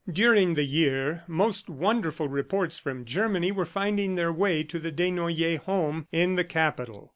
During the year, most wonderful reports from Germany were finding their way to the Desnoyers home in the Capital.